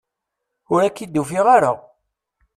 Ur ak-id-ufiɣ ara!